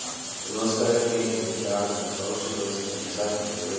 The most glaring danger is found in the emotionalism and excitement of religious revivals.